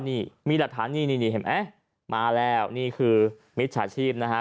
ว่านี่มีราฐานนี่นี่นี่เห็นไหมมาแล้วนี่คือมิตรสถาชีพนะฮะ